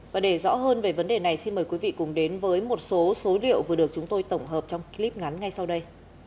và để rõ hơn về vấn đề này xin mời quý vị cùng đến với một số số liệu vừa được chúng tôi tổng hợp trong clip ngắn ngay sau đây